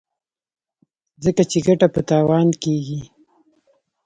ځکه چې ګټه په تاوان کېږي.